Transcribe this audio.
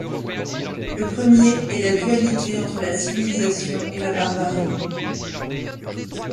Le premier est la dualité entre la civilisation et la barbarie.